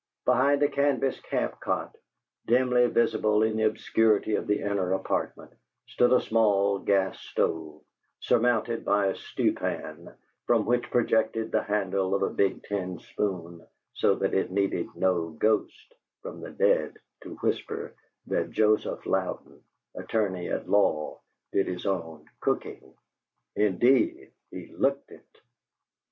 Behind a canvas camp cot, dimly visible in the obscurity of the inner apartment, stood a small gas stove, surmounted by a stew pan, from which projected the handle of a big tin spoon, so that it needed no ghost from the dead to whisper that Joseph Louden, attorney at law, did his own cooking. Indeed, he looked it!